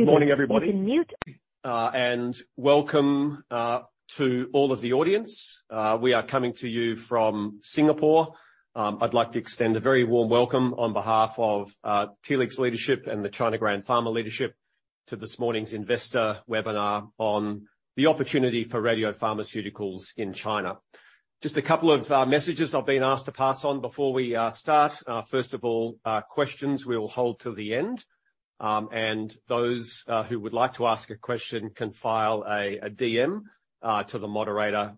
Good morning, everybody. You can mute. Welcome to all of the audience. We are coming to you from Singapore. I'd like to extend a very warm welcome on behalf of Telix leadership and the China Grand Pharma leadership to this morning's investor webinar on the opportunity for radiopharmaceuticals in China. Just a couple of messages I've been asked to pass on before we start. First of all, questions we will hold till the end. Those who would like to ask a question can file a DM to the moderator,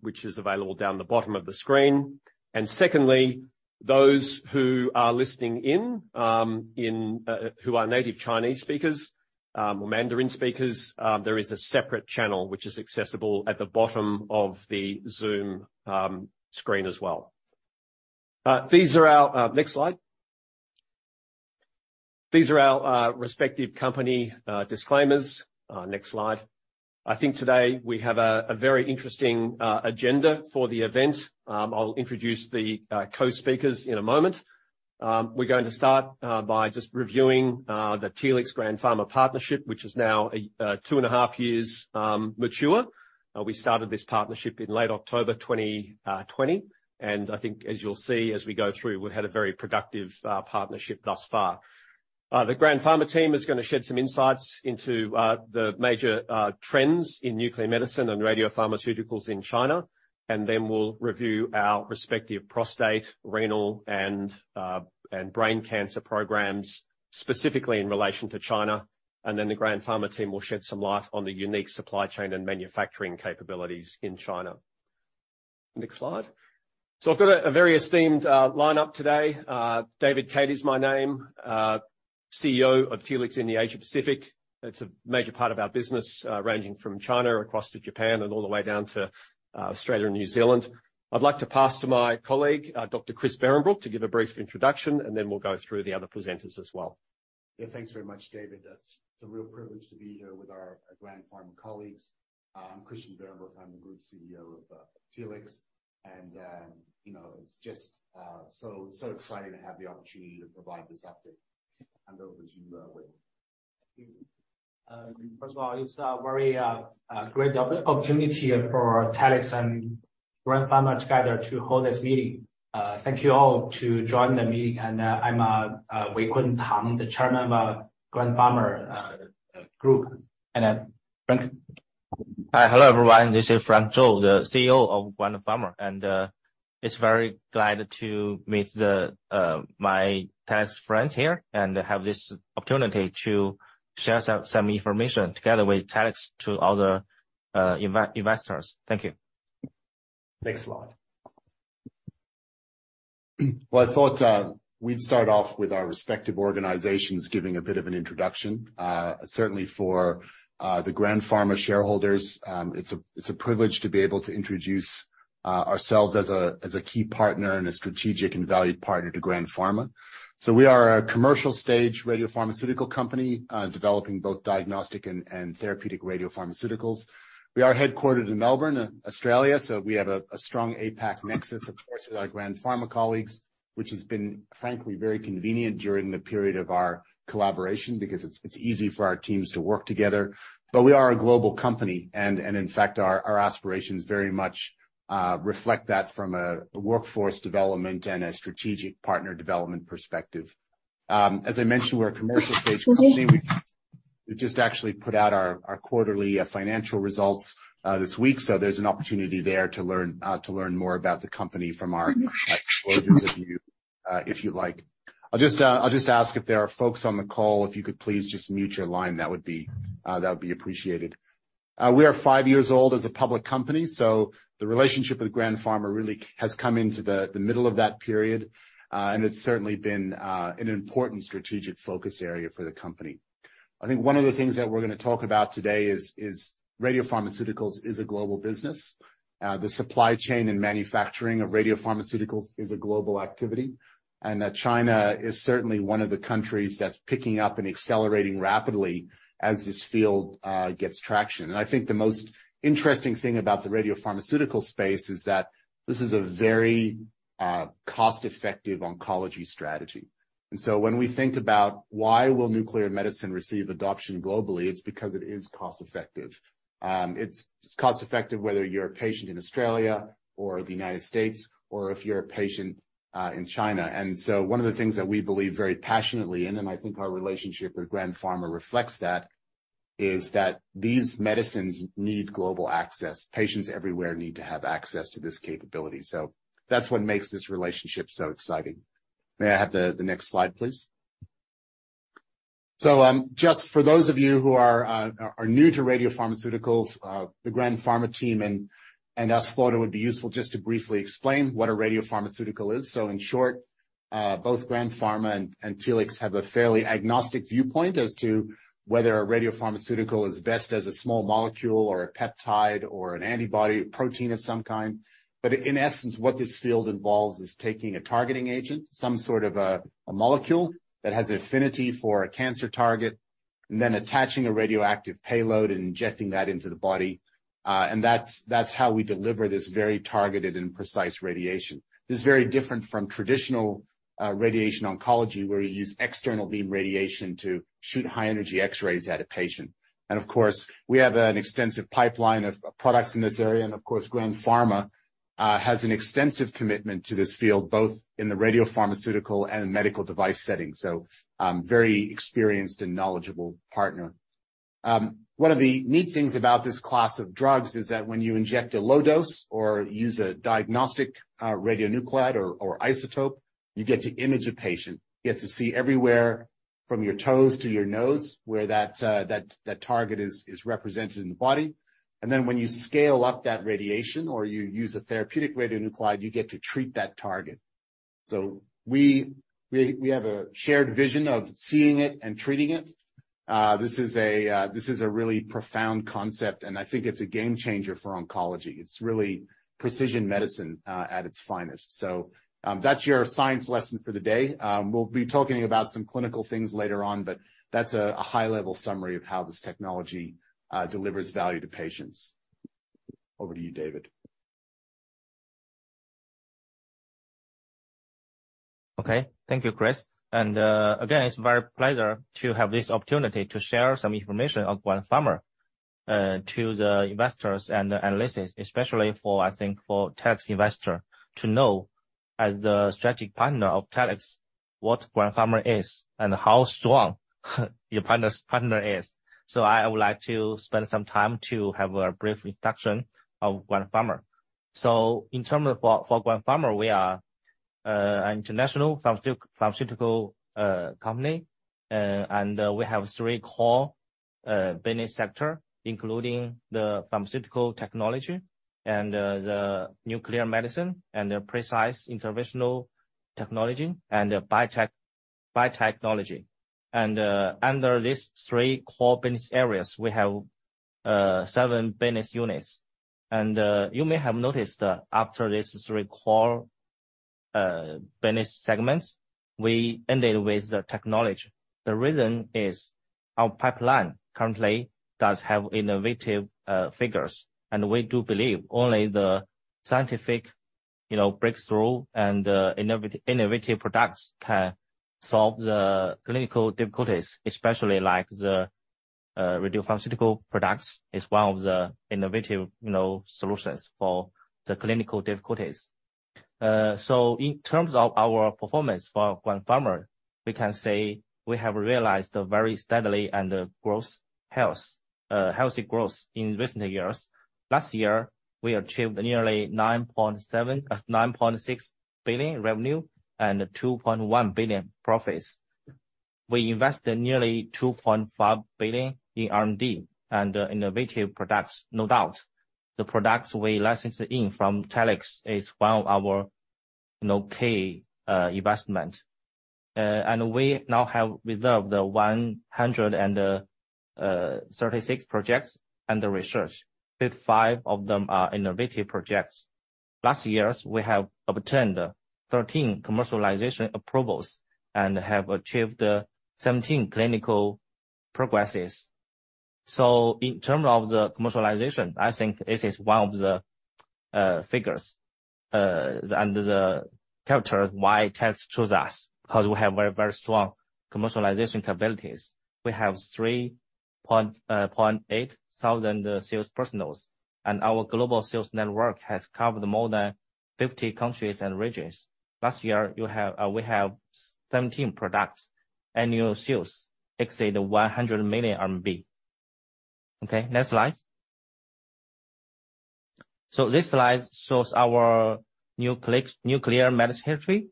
which is available down the bottom of the screen. Secondly, those who are listening in, who are native Chinese speakers or Mandarin speakers, there is a separate channel which is accessible at the bottom of the Zoom screen as well. These are our next slide. These are our respective company disclaimers. Next slide. I think today we have a very interesting agenda for the event. I'll introduce the co-speakers in a moment. We're going to start by just reviewing the Telix Grand Pharma partnership, which is now two and a half years mature. We started this partnership in late October 2020, and I think as you'll see as we go through, we've had a very productive partnership thus far. The Grand Pharma team is gonna shed some insights into the major trends in nuclear medicine and radiopharmaceuticals in China, and then we'll review our respective prostate, renal, and brain cancer programs, specifically in relation to China. The Grand Pharma team will shed some light on the unique supply chain and manufacturing capabilities in China. Next slide. I've got a very esteemed line up today. David Cade is my name, CEO of Telix in the Asia Pacific. It's a major part of our business, ranging from China across to Japan and all the way down to Australia and New Zealand. I'd like to pass to my colleague, Dr. Christian Behrenbruch, to give a brief introduction, and then we'll go through the other presenters as well. Yeah. Thanks very much, David. It's a real privilege to be here with our Grand Pharma colleagues. I'm Christian Behrenbruch, I'm the Group CEO of Telix, and, you know, it's just so exciting to have the opportunity to provide this update. Hand over to you, Wei. Thank you. First of all, it's a very great opportunity for Telix and Grand Pharma together to hold this meeting. Thank you all to join the meeting. I'm Weikun Tang, the Chairman of Grand Pharma group. Frank. Hi. Hello, everyone. This is Frank Zhou, the CEO of Grand Pharma. It's very glad to meet the my Telix friends here and have this opportunity to share some information together with Telix to other investors. Thank you. Next slide. I thought we'd start off with our respective organizations giving a bit of an introduction. Certainly for the Grand Pharma shareholders, it's a privilege to be able to introduce ourselves as a key partner and a strategic and valued partner to Grand Pharma. We are a commercial stage radiopharmaceutical company, developing both diagnostic and therapeutic radiopharmaceuticals. We are headquartered in Melbourne, Australia. We have a strong APAC nexus, of course, with our Grand Pharma colleagues, which has been, frankly, very convenient during the period of our collaboration because it's easy for our teams to work together. We are a global company and in fact, our aspirations very much reflect that from a workforce development and a strategic partner development perspective. As I mentioned, we're a commercial stage company. We just actually put out our quarterly financial results this week. There's an opportunity there to learn more about the company from our disclosures if you like. I'll just ask if there are folks on the call, if you could please just mute your line, that would be appreciated. We are five years old as a public company. The relationship with Grand Pharma really has come into the middle of that period. It's certainly been an important strategic focus area for the company. I think one of the things that we're going to talk about today is radiopharmaceuticals is a global business. The supply chain and manufacturing of radiopharmaceuticals is a global activity, and that China is certainly one of the countries that's picking up and accelerating rapidly as this field gets traction. I think the most interesting thing about the radiopharmaceutical space is that this is a very cost-effective oncology strategy. When we think about why will nuclear medicine receive adoption globally, it's because it is cost-effective. It's cost-effective whether you're a patient in Australia or the United States or if you're a patient in China. One of the things that we believe very passionately in, and I think our relationship with Grand Pharma reflects that, is that these medicines need global access. Patients everywhere need to have access to this capability. That's what makes this relationship so exciting. May I have the next slide, please? Just for those of you who are new to radiopharmaceuticals, the Grand Pharma team and us thought it would be useful just to briefly explain what a radiopharmaceutical is. In short, both Grand Pharma and Telix have a fairly agnostic viewpoint as to whether a radiopharmaceutical is best as a small molecule or a peptide or an antibody protein of some kind. In essence, what this field involves is taking a targeting agent, some sort of a molecule that has affinity for a cancer target, and then attaching a radioactive payload and injecting that into the body. And that's how we deliver this very targeted and precise radiation. This is very different from traditional radiation oncology, where you use external beam radiation to shoot high-energy X-rays at a patient. Of course, we have an extensive pipeline of products in this area. Of course, Grand Pharma has an extensive commitment to this field, both in the radiopharmaceutical and medical device setting. Very experienced and knowledgeable partner. One of the neat things about this class of drugs is that when you inject a low dose or use a diagnostic, radionuclide or isotope, you get to image a patient. You get to see everywhere from your toes to your nose where that, that target is represented in the body. Then when you scale up that radiation or you use a therapeutic radionuclide, you get to treat that target. We, we have a shared vision of seeing it and treating it. This is a really profound concept, and I think it's a game changer for oncology. It's really precision medicine, at its finest. That's your science lesson for the day. We'll be talking about some clinical things later on, but that's a high-level summary of how this technology, delivers value to patients. Over to you, David. Thank you, Chris. Again, it's my pleasure to have this opportunity to share some information of Grand Pharma to the investors and analysts, especially for, I think, for Telix investor to know as the strategic partner of Telix, what Grand Pharma is and how strong your partner's partner is. I would like to spend some time to have a brief introduction of Grand Pharma. In terms of for Grand Pharma, we are an international pharmaceutical company. We have three core business sector, including the pharmaceutical technology and the nuclear medicine and the precise interventional technology and biotechnology. Under these three core business areas, we have seven business units. You may have noticed that after these three core business segments, we ended with the technology. The reason is our pipeline currently does have innovative figures, we do believe only the scientific, you know, breakthrough and innovative products can solve the clinical difficulties, especially like the radiopharmaceutical products is one of the innovative, you know, solutions for the clinical difficulties. In terms of our performance for Grand Pharma, we can say we have realized very steadily and healthy growth in recent years. Last year, we achieved nearly 9.6 billion revenue and 2.1 billion profits. We invested nearly 2.5 billion in R&D and innovative products. No doubt, the products we licensed in from Telix is one of our, you know, key investment. We now have reserved 136 projects under research. 55 of them are innovative projects. Last years, we have obtained 13 commercialization approvals and have achieved 17 clinical progresses. In terms of the commercialization, I think this is one of the figures under the chapter why Telix choose us, 'cause we have very strong commercialization capabilities. We have 3,800 sales personnels, and our global sales network has covered more than 50 countries and regions. Last year, we have 17 products. Annual sales exceed 100 million RMB. Okay, next slide. This slide shows our nuclear medicine history.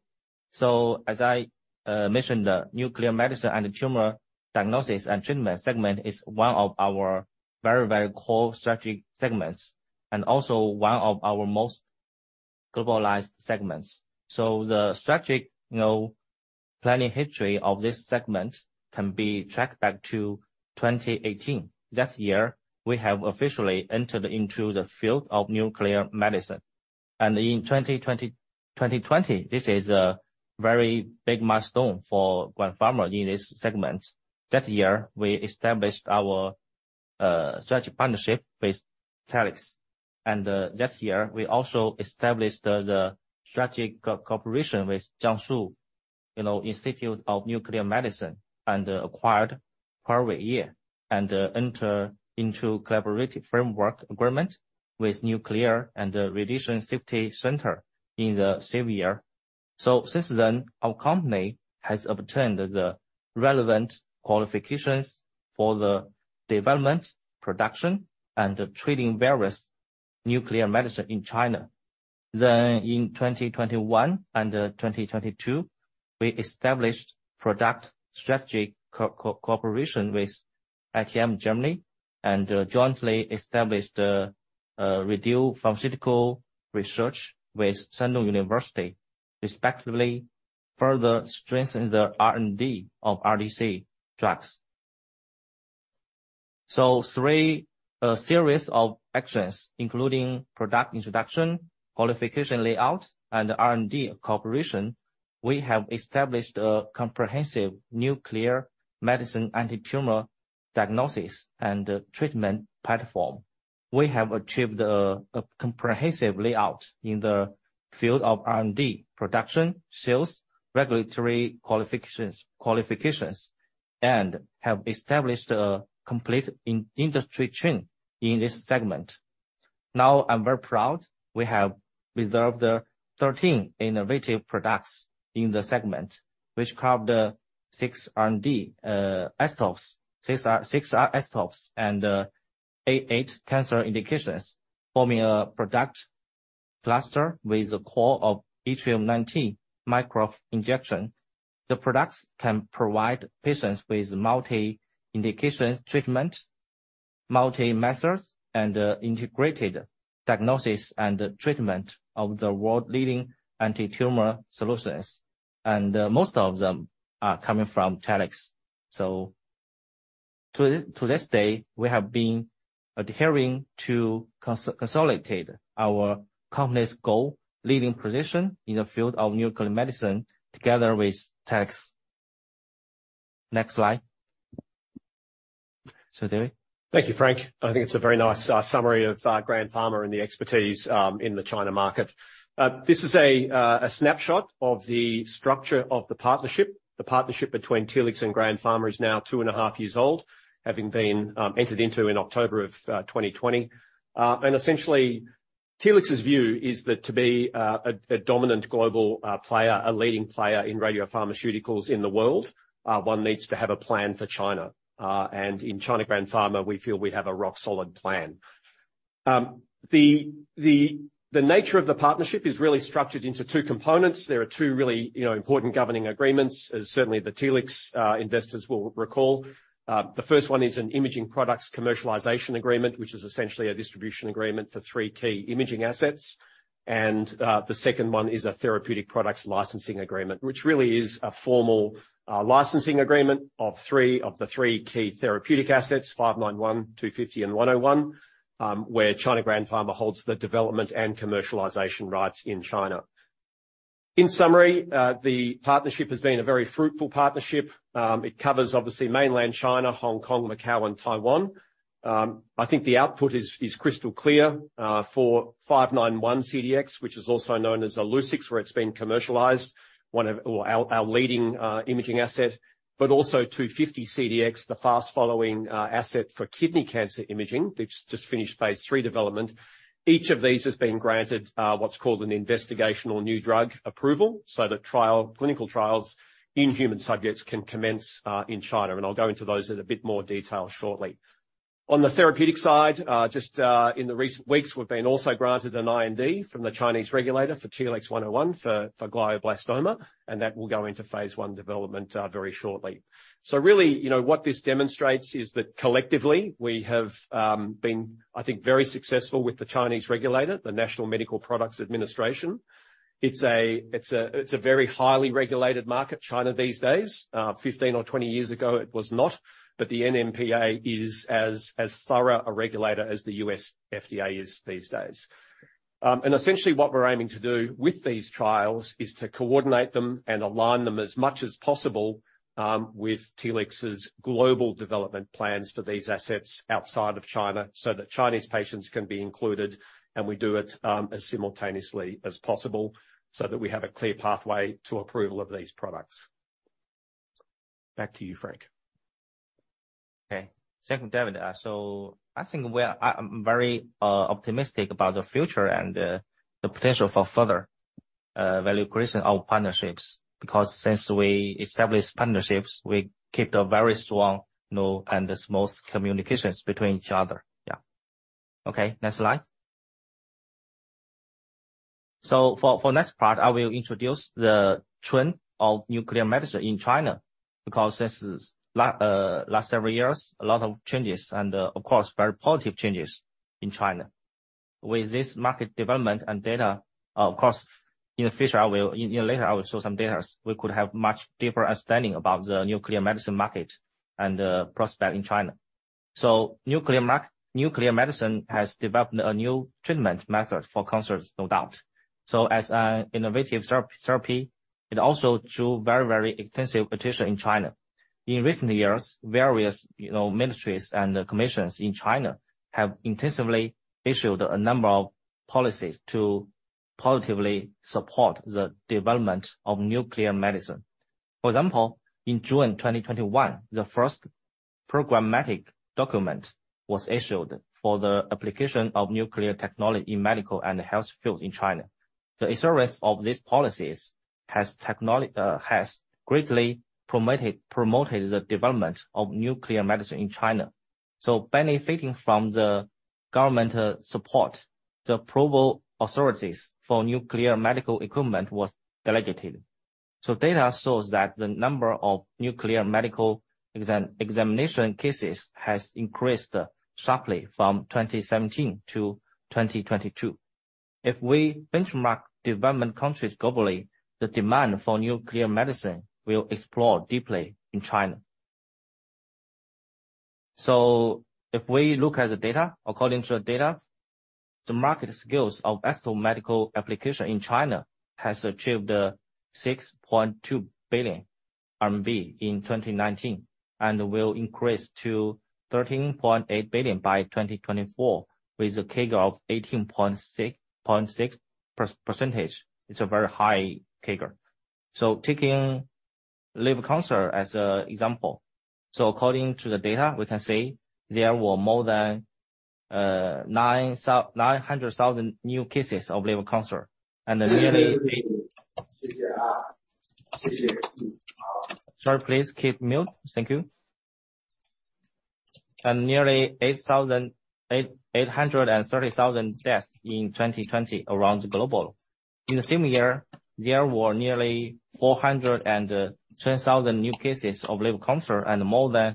As I mentioned, nuclear medicine and tumor diagnosis and treatment segment is one of our very core strategic segments and also one of our most globalized segments. The strategic, you know, planning history of this segment can be tracked back to 2018. That year, we have officially entered into the field of nuclear medicine. In 2020, this is a very big milestone for Grand Pharma in this segment. That year, we established our strategic partnership with Telix. That year, we also established the strategic cooperation with Jiangsu Institute of Nuclear Medicine and acquired Puer Weiye and enter into collaborative framework agreement with Nuclear and Radiation Safety Center in the same year. Since then, our company has obtained the relevant qualifications for the development, production, and treating various nuclear medicine in China. In 2021 and 2022, we established product strategy cooperation with ITM Germany and jointly established a review pharmaceutical research with Sun Yat-sen University, respectively, further strengthen the R&D of RDC drugs. Three series of actions, including product introduction, qualification layout, and R&D cooperation. We have established a comprehensive nuclear medicine anti-tumor diagnosis and treatment platform. We have achieved a comprehensive layout in the field of R&D, production, sales, regulatory qualifications, and have established a complete in-industry chain in this segment. Now, I'm very proud we have reserved 13 innovative products in the segment, which cover the six R&D ISTOPs. Six Isotopes and eight cancer indications, forming a product cluster with the core of yttrium-90 micro injection. The products can provide patients with multi-indication treatment, multi-methods, and integrated diagnosis and treatment of the world-leading anti-tumor solutions, and most of them are coming from Telix. To this day, we have been adhering to consolidate our company's goal, leading position in the field of nuclear medicine together with Telix. Next slide. David. Thank you, Frank. I think it's a very nice summary of Grand Pharma and the expertise in the China market. This is a snapshot of the structure of the partnership. The partnership between Telix and Grand Pharma is now two and a half years old, having been entered into in October of 2020. Essentially, Telix's view is that to be a dominant global player, a leading player in radiopharmaceuticals in the world, one needs to have a plan for China. In China Grand Pharma, we feel we have a rock solid plan. The nature of the partnership is really structured into two components. There are two really, you know, important governing agreements, as certainly the Telix investors will recall. The first one is an imaging products commercialization agreement, which is essentially a distribution agreement for three key imaging assets. The second one is a therapeutic products licensing agreement, which really is a formal licensing agreement of the three key therapeutic assets, 591, 250, and 101, where China Grand Pharma holds the development and commercialization rights in China. In summary, the partnership has been a very fruitful partnership. It covers obviously mainland China, Hong Kong, Macau, and Taiwan. I think the output is crystal clear for 591 CDx, which is also known as Illuccix, where it's been commercialized, our leading imaging asset. Also 250 CDx, the fast-following asset for kidney cancer imaging, which just finished Phase III development. Each of these has been granted, what's called an Investigational New Drug approval. The trial, clinical trials in human subjects can commence in China, and I'll go into those in a bit more detail shortly. On the therapeutic side, just in the recent weeks, we've been also granted an IND from the Chinese regulator for TLX101 for glioblastoma, and that will go into phase I development very shortly. Really, you know, what this demonstrates is that collectively we have been, I think, very successful with the Chinese regulator, the National Medical Products Administration. It's a very highly regulated market, China these days. 15 or 20 years ago it was not, but the NMPA is as thorough a regulator as the U.S. FDA is these days. Essentially what we're aiming to do with these trials is to coordinate them and align them as much as possible with Telix's global development plans for these assets outside of China, so that Chinese patients can be included, and we do it as simultaneously as possible, so that we have a clear pathway to approval of these products. Back to you, Frank. Okay. Thank you, David. I think we are at very optimistic about the future and the potential for further value creation of partnerships, because since we established partnerships, we kept a very strong know and smooth communications between each other. Yeah. Okay. Next slide. For next part, I will introduce the trend of nuclear medicine in China, because this is last several years, a lot of changes and of course, very positive changes in China. With this market development and data, of course, in the future, I will, you know, later I will show some data. We could have much deeper understanding about the nuclear medicine market and prospect in China. Nuclear medicine has developed a new treatment method for cancers, no doubt. As an innovative therapy, it also drew very extensive attention in China. In recent years, various, you know, ministries and commissions in China have intensively issued a number of policies to positively support the development of nuclear medicine. For example, in June 2021, the first programmatic document was issued for the application of nuclear technology in medical and health field in China. The service of these policies has greatly permitted, promoted the development of nuclear medicine in China. Benefiting from the government support, the approval authorities for nuclear medical equipment was delegated. Data shows that the number of nuclear medical examination cases has increased sharply from 2017 to 2022. If we benchmark development countries globally, the demand for nuclear medicine will explore deeply in China. If we look at the data, according to the data, the market skills of vascular medical application in China has achieved 6.2 billion RMB in 2019, and will increase to 13.8 billion by 2024, with a CAGR of 18.6%. It's a very high CAGR. Taking liver cancer as an example. According to the data, we can say there were more than 900,000 new cases of liver cancer. Nearly 830,000 deaths in 2020 around the global. In the same year, there were nearly 410,000 new cases of liver cancer and more than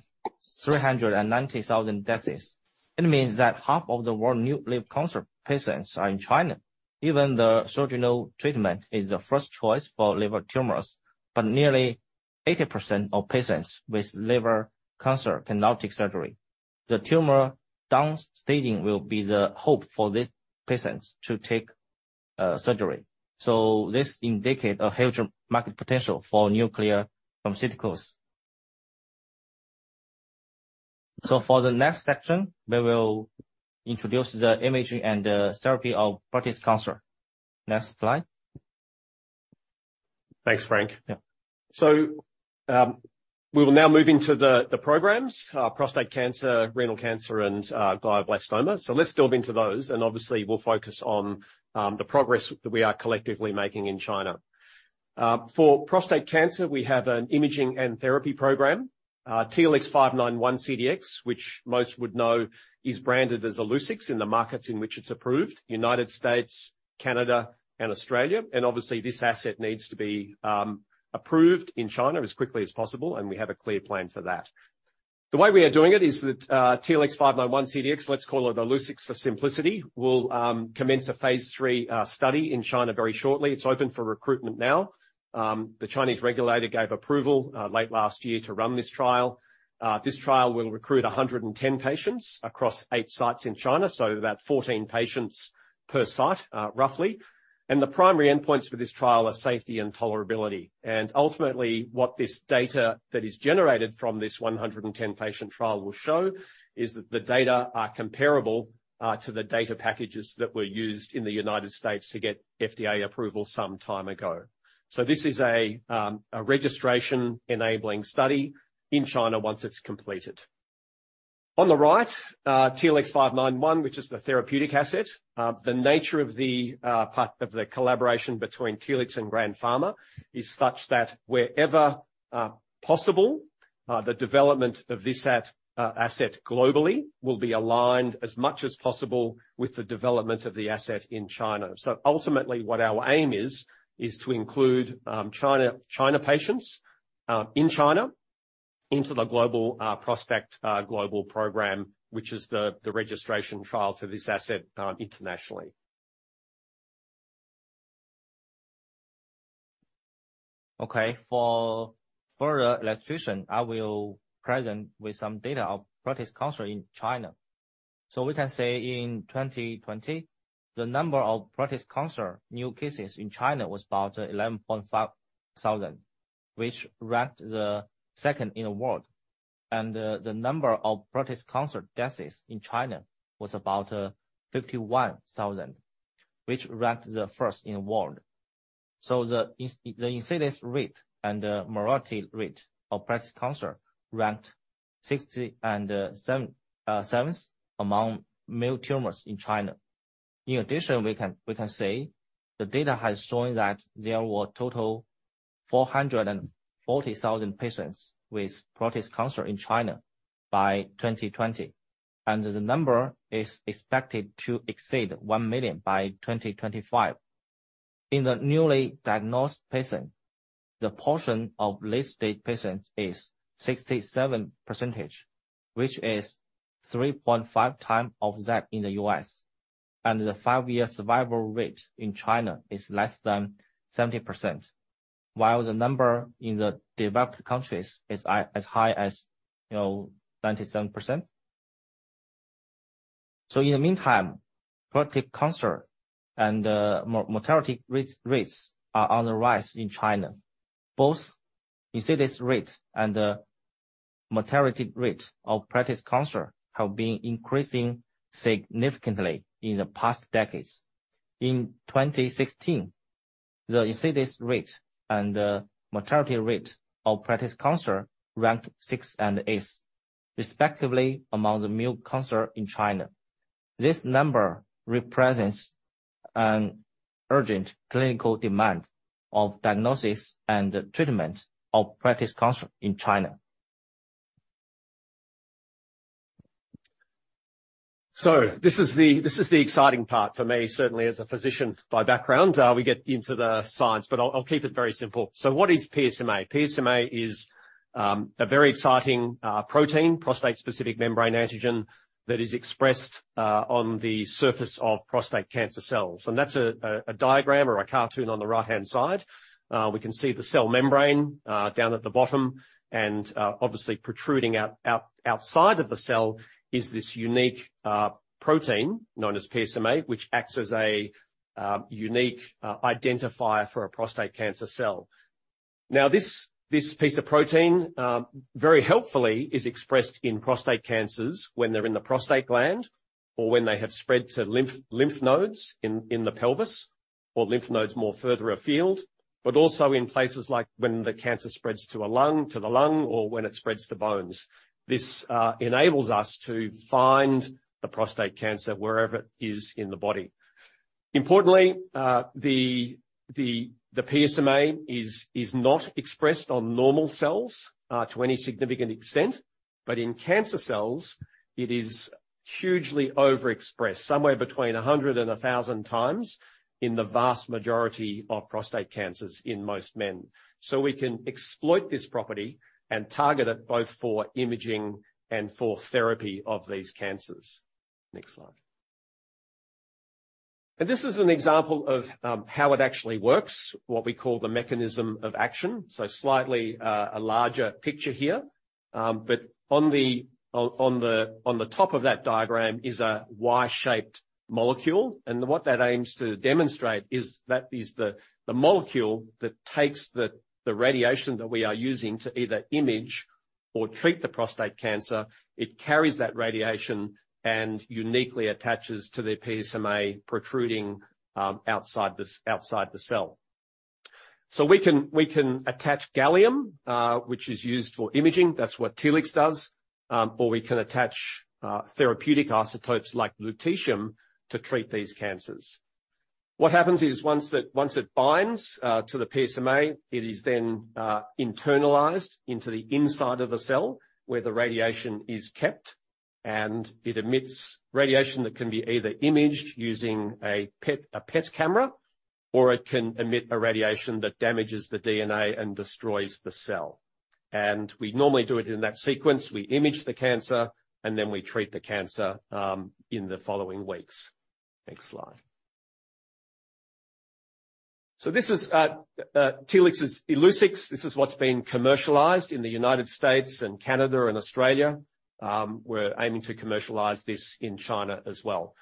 390,000 deaths. It means that half of the world new liver cancer patients are in China. Even the surgical treatment is the first choice for liver tumors, nearly 80% of patients with liver cancer cannot take surgery. The tumor downstaging will be the hope for these patients to take surgery. This indicate a huge market potential for nuclear pharmaceuticals. For the next section, we will introduce the imaging and the therapy of prostate cancer. Next slide. Thanks, Frank. Yeah. We will now move into the programs, prostate cancer, renal cancer, and glioblastoma. Let's dive into those, and obviously, we'll focus on the progress that we are collectively making in China. For prostate cancer, we have an imaging and therapy program, TLX591-CDx, which most would know is branded as Illuccix in the markets in which it's approved, United States, Canada, and Australia. Obviously, this asset needs to be approved in China as quickly as possible, and we have a clear plan for that. The way we are doing it is that TLX591-CDx, let's call it Illuccix for simplicity, will commence a Phase III study in China very shortly. It's open for recruitment now. The Chinese regulator gave approval late last year to run this trial. This trial will recruit 110 patients across eight sites in China, so about 14 patients per site, roughly. The primary endpoints for this trial are safety and tolerability. Ultimately, what this data that is generated from this 110 patient trial will show is that the data are comparable to the data packages that were used in the United States to get FDA approval some time ago. This is a registration-enabling study in China once it's completed. On the right, TLX591, which is the therapeutic asset. The nature of the part of the collaboration between Telix and Grand Pharma is such that wherever possible, the development of this asset globally will be aligned as much as possible with the development of the asset in China. Ultimately what our aim is to include China patients in China into the global program, which is the registration trial for this asset internationally. Okay. For the electrician, I will present with some data of prostate cancer in China. We can say in 2020, the number of prostate cancer new cases in China was about 11,500, which ranked the 2nd in the world. The number of prostate cancer deaths in China was about 51,000, which ranked the 1st in the world. The incidence rate and the mortality rate of prostate cancer ranked 60 and 7th among male tumors in China. In addition, we can say the data has shown that there were total 440,000 patients with prostate cancer in China by 2020, the number is expected to exceed one million by 2025. In the newly diagnosed patient, the portion of late-stage patients is 67%, which is 3.5 times of that in the U.S., and the five-year survival rate in China is less than 70%, while the number in the developed countries is as high as, you know, 97%. In the meantime, prostate cancer and mortality rates are on the rise in China. Both incidence rate and the mortality rate of prostate cancer have been increasing significantly in the past decades. In 2016, the incidence rate and the mortality rate of prostate cancer ranked sixth and eighth respectively among the male cancer in China. This number represents an urgent clinical demand of diagnosis and treatment of prostate cancer in China. This is the exciting part for me, certainly as a physician by background. We get into the science, but I'll keep it very simple. What is PSMA? PSMA is a very exciting protein, prostate-specific membrane antigen, that is expressed on the surface of prostate cancer cells. That's a diagram or a cartoon on the right-hand side. We can see the cell membrane down at the bottom. Obviously protruding outside of the cell is this unique protein known as PSMA, which acts as a unique identifier for a prostate cancer cell. This piece of protein very helpfully is expressed in prostate cancers when they're in the prostate gland or when they have spread to lymph nodes in the pelvis or lymph nodes more further afield, but also in places like when the cancer spreads to the lung or when it spreads to bones. This enables us to find the prostate cancer wherever it is in the body. Importantly, the PSMA is not expressed on normal cells to any significant extent, but in cancer cells it is hugely over expressed, somewhere between 100 and 1,000 times in the vast majority of prostate cancers in most men. We can exploit this property and target it both for imaging and for therapy of these cancers. Next slide. This is an example of how it actually works, what we call the mechanism of action. Slightly a larger picture here. On the top of that diagram is a Y-shaped molecule, and what that aims to demonstrate is that the molecule that takes the radiation that we are using to either image or treat the prostate cancer, it carries that radiation and uniquely attaches to the PSMA protruding outside the cell. We can attach gallium, which is used for imaging, that's what Telix does, or we can attach therapeutic isotopes like lutetium to treat these cancers. What happens is once it, once it binds to the PSMA, it is then internalized into the inside of the cell where the radiation is kept. It emits radiation that can be either imaged using a PET, a PET camera, or it can emit a radiation that damages the DNA and destroys the cell. We normally do it in that sequence. We image the cancer, then we treat the cancer in the following weeks. Next slide. This is Telix's Illuccix. This is what's been commercialized in the United States and Canada and Australia. We're aiming to commercialize this in China as well.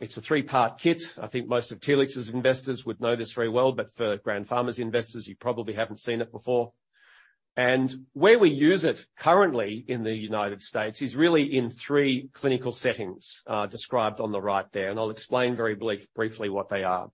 It's a three-part kit. I think most of Telix's investors would know this very well, but for Grand Pharma's investors, you probably haven't seen it before. Where we use it currently in the United States is really in three clinical settings, described on the right there, and I'll explain very briefly what they are.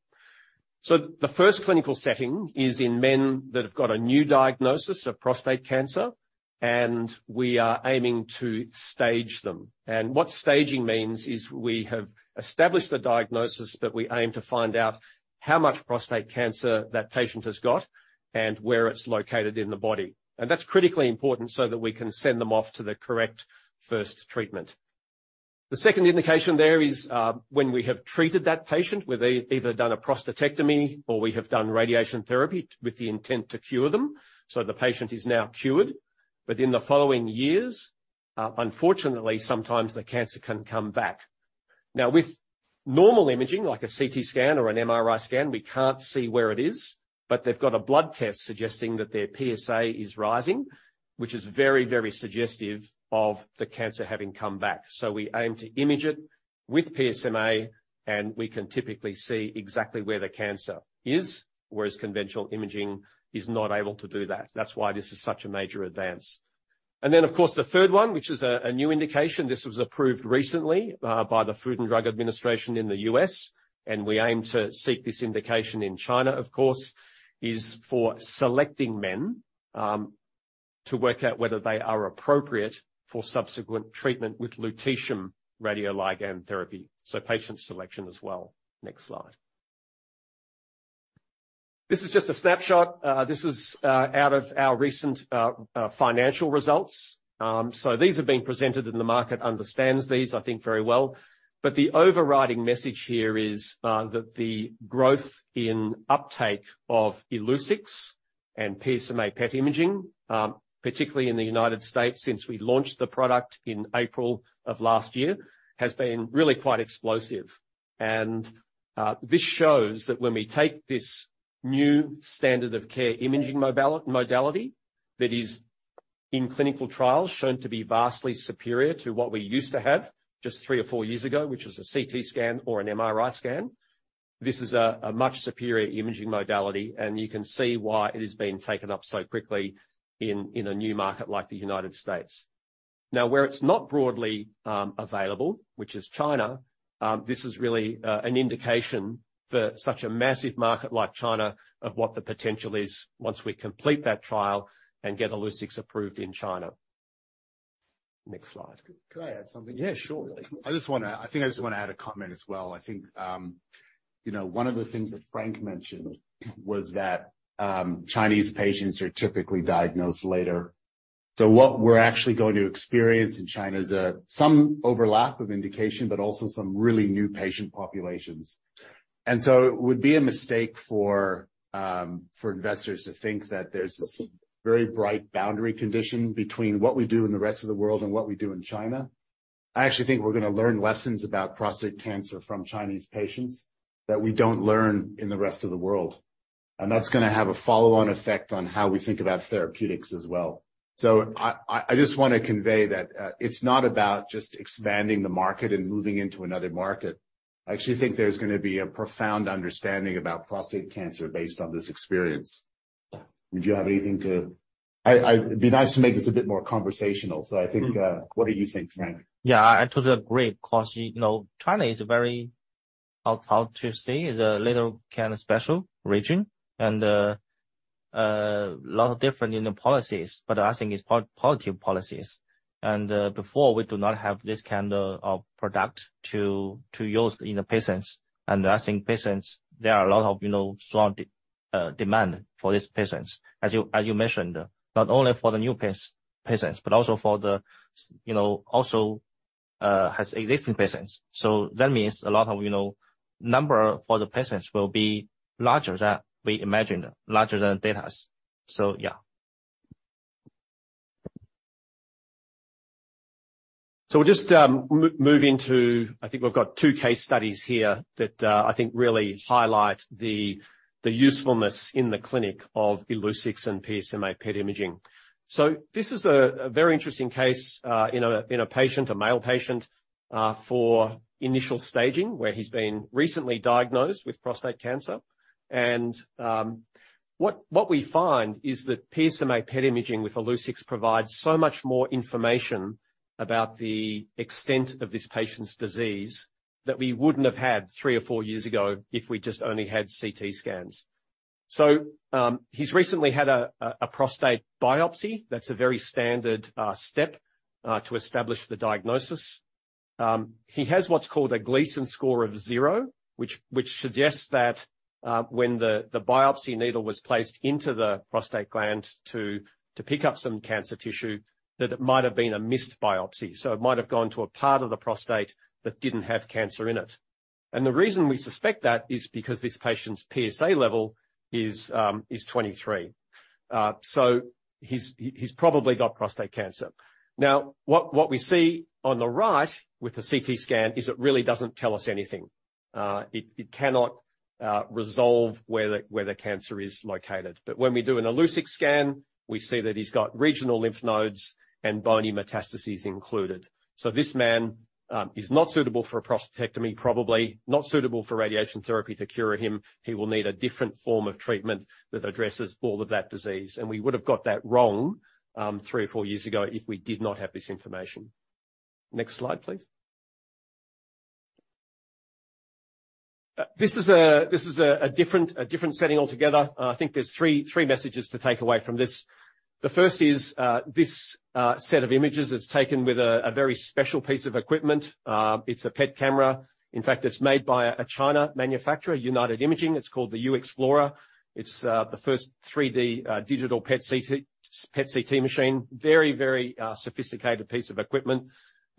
The first clinical setting is in men that have got a new diagnosis of prostate cancer, and we are aiming to stage them. What staging means is we have established the diagnosis, but we aim to find out how much prostate cancer that patient has got and where it's located in the body. That's critically important so that we can send them off to the correct first treatment. The second indication there is, when we have treated that patient, we've either done a prostatectomy or we have done radiation therapy with the intent to cure them, so the patient is now cured. In the following years, unfortunately, sometimes the cancer can come back. With normal imaging, like a CT scan or an MRI scan, we can't see where it is, but they've got a blood test suggesting that their PSA is rising, which is very, very suggestive of the cancer having come back. We aim to image it with PSMA, and we can typically see exactly where the cancer is, whereas conventional imaging is not able to do that. That's why this is such a major advance. Of course, the third one, which is a new indication, this was approved recently by the Food and Drug Administration in the U.S., and we aim to seek this indication in China, of course, is for selecting men to work out whether they are appropriate for subsequent treatment with Lutetium radioligand therapy. Patient selection as well. Next slide. This is just a snapshot. This is out of our recent financial results. These have been presented and the market understands these, I think very well. The overriding message here is that the growth in uptake of Illuccix and PSMA PET imaging, particularly in the United States since we launched the product in April of last year, has been really quite explosive. This shows that when we take this new standard of care imaging modality that is in clinical trials shown to be vastly superior to what we used to have just three or four years ago, which was a CT scan or an MRI scan, this is a much superior imaging modality, and you can see why it is being taken up so quickly in a new market like the United States. Now, where it's not broadly available, which is China, this is really an indication for such a massive market like China of what the potential is once we complete that trial and get Illuccix approved in China. Next slide. Could I add something? Yeah, sure. I think I just wanna add a comment as well. I think, you know, one of the things that Frank mentioned was that Chinese patients are typically diagnosed later. What we're actually going to experience in China is some overlap of indication, but also some really new patient populations. It would be a mistake for investors to think that there's this very bright boundary condition between what we do in the rest of the world and what we do in China. I actually think we're gonna learn lessons about prostate cancer from Chinese patients that we don't learn in the rest of the world, and that's gonna have a follow-on effect on how we think about therapeutics as well. I just wanna convey that it's not about just expanding the market and moving into another market. I actually think there's gonna be a profound understanding about prostate cancer based on this experience. Do you have anything to... It'd be nice to make this a bit more conversational, so I think, what do you think, Frank? Yeah, I totally agree, 'cause, you know, China is a very, how to say? Is a little kinda special region and a lot of different in the policies, but I think it's positive policies. Before, we do not have this kind of product to use in the patients. I think patients, there are a lot of, you know, strong demand for these patients. As you, as you mentioned, not only for the new patients, but also for the, you know, also has existing patients. That means a lot of, you know, number for the patients will be larger than we imagined, larger than data. Yeah. We'll just move into, I think we've got two case studies here that I think really highlight the usefulness in the clinic of Illuccix and PSMA PET imaging. This is a very interesting case in a patient, a male patient, for initial staging, where he's been recently diagnosed with prostate cancer. What we find is that PSMA PET imaging with Illuccix provides so much more information about the extent of this patient's disease that we wouldn't have had three or four years ago if we just only had CT scans. He's recently had a prostate biopsy. That's a very standard step to establish the diagnosis. He has what's called a Gleason score of zero, which suggests that when the biopsy needle was placed into the prostate gland to pick up some cancer tissue, that it might have been a missed biopsy. It might have gone to a part of the prostate that didn't have cancer in it. The reason we suspect that is because this patient's PSA level is 23. He's probably got prostate cancer. What we see on the right with the CT scan is it really doesn't tell us anything. It cannot resolve where the cancer is located. When we do an Illuccix scan, we see that he's got regional lymph nodes and bony metastases included. This man is not suitable for a prostatectomy probably, not suitable for radiation therapy to cure him. He will need a different form of treatment that addresses all of that disease. We would have got that wrong three or four years ago if we did not have this information. Next slide, please. This is a different setting altogether. I think there's three messages to take away from this. The first is, this set of images is taken with a very special piece of equipment. It's a PET camera. In fact, it's made by a China manufacturer, United Imaging. It's called the uEXPLORER. It's the first 3D digital PET CT machine. Very, very sophisticated piece of equipment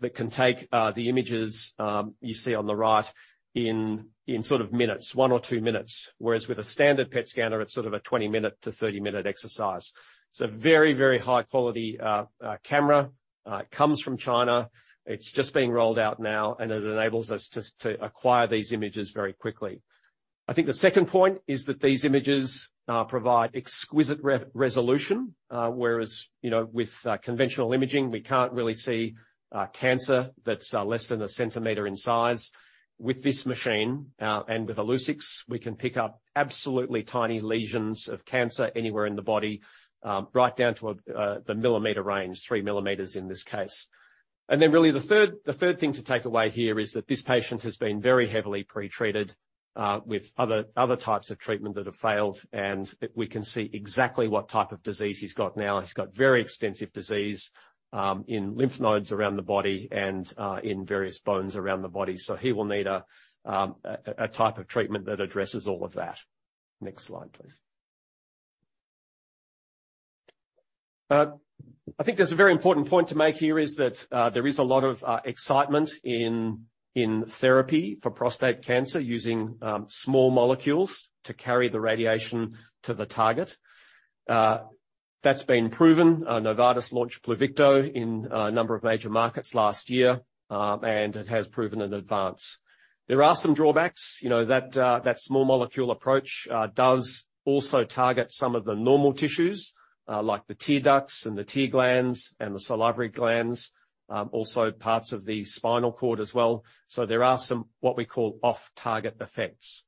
that can take the images, you see on the right in sort of minutes, one or two minutes. Whereas with a standard PET scanner, it's sort of a 20-minute to 30-minute exercise. It's a very, very high-quality camera. It comes from China. It's just being rolled out now, and it enables us to acquire these images very quickly. I think the second point is that these images provide exquisite re-resolution, whereas, you know, with conventional imaging, we can't really see cancer that's less than a centimeter in size. With this machine, and with Illuccix, we can pick up absolutely tiny lesions of cancer anywhere in the body, right down to a the millimeter range, three millimeters in this case. Really the third thing to take away here is that this patient has been very heavily pre-treated with other types of treatment that have failed, and we can see exactly what type of disease he's got now. He's got very extensive disease in lymph nodes around the body and in various bones around the body. He will need a type of treatment that addresses all of that. Next slide, please. I think there's a very important point to make here is that there is a lot of excitement in therapy for prostate cancer using small molecules to carry the radiation to the target. That's been proven. Novartis launched Pluvicto in a number of major markets last year, and it has proven an advance. There are some drawbacks. You know, that small molecule approach does also target some of the normal tissues, like the tear ducts and the tear glands and the salivary glands, also parts of the spinal cord as well. There are some, what we call off-target effects.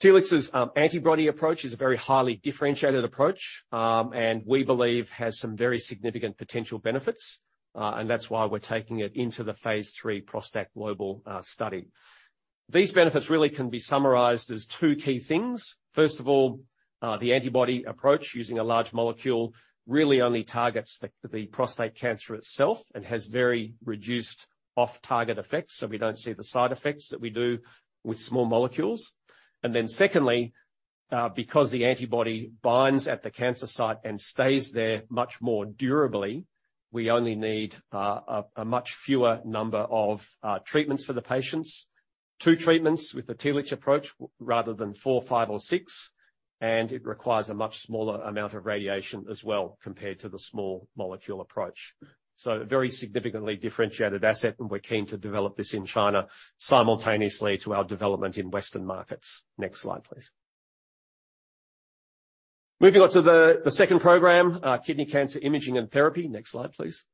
Telix's antibody approach is a very highly differentiated approach, and we believe has some very significant potential benefits, and that's why we're taking it into the Phase III ProstACT GLOBAL study. These benefits really can be summarized as two key things. First of all, the antibody approach using a large molecule really only targets the prostate cancer itself and has very reduced off-target effects, so we don't see the side effects that we do with small molecules. Secondly, because the antibody binds at the cancer site and stays there much more durably, we only need a much fewer number of treatments for the patients. Two treatments with the Telix approach rather than four, five or six, it requires a much smaller amount of radiation as well compared to the small molecule approach. A very significantly differentiated asset, we're keen to develop this in China simultaneously to our development in Western markets. Next slide, please. Moving on to the second program, kidney cancer imaging and therapy. Next slide, please.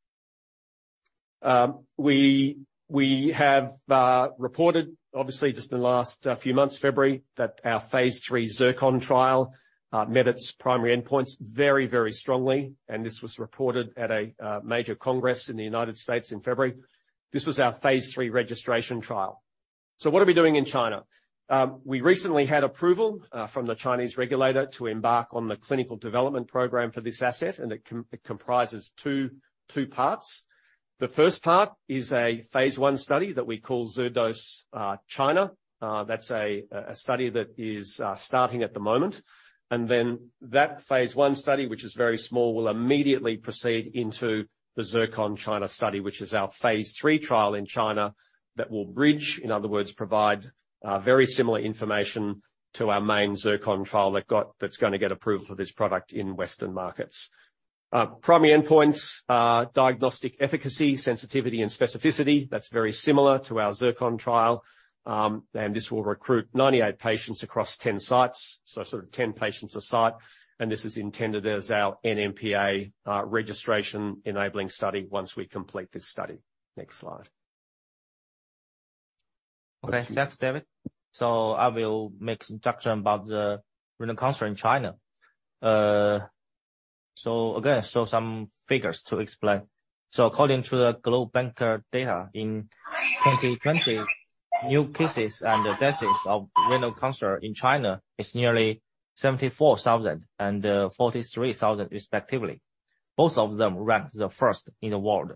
We have reported obviously just in the last few months, February, that our Phase III ZIRCON trial met its primary endpoints very strongly, this was reported at a major congress in the United States in February. This was our Phase III registration trial. What are we doing in China? We recently had approval from the Chinese regulator to embark on the clinical development program for this asset, and it comprises two parts. The first part is a Phase I study that we call ZIRDOSE-CP China. That's a study that is starting at the moment. Then that Phase I study, which is very small, will immediately proceed into the ZIRCON China study, which is our Phase III trial in China that will bridge, in other words, provide very similar information to our main ZIRCON trial that's gonna get approved for this product in Western markets. Primary endpoints are diagnostic efficacy, sensitivity and specificity. That's very similar to our ZIRCON trial. This will recruit 98 patients across 10 sites, so sort of 10 patients a site, and this is intended as our NMPA registration enabling study once we complete this study. Next slide. Okay. Thanks, David. I will make introduction about the renal cancer in China. Again, show some figures to explain. According to the GLOBOCAN data, in 2020, new cases and the deaths of renal cancer in China is nearly 74,000 and 43,000 respectively. Both of them ranked the first in the world.